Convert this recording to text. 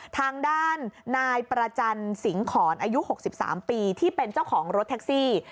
ทางด้านนายประจันสิงหอนอายุ๖๓ปีที่เป็นเจ้าของรถแท็กซี่